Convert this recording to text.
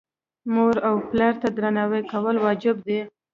مور او پلار ته درناوی کول واجب دي.